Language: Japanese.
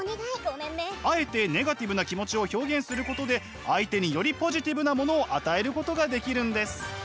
あえてネガティブな気持ちを表現することで相手によりポジティブなものを与えることができるんです。